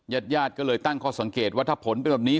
ญาติญาติก็เลยตั้งข้อสังเกตว่าถ้าผลเป็นแบบนี้